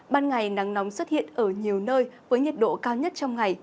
ban ngày nắng nóng xuất hiện ở nhiều nơi với nhiệt độ cao nhất trong ngày